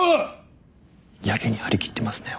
やけに張りきってますね